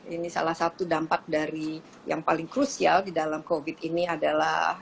ini salah satu dampak dari yang paling krusial di dalam covid ini adalah